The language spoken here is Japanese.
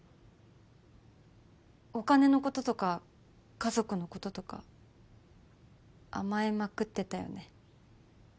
お金のこととか家族のこととか甘えまくってたよね。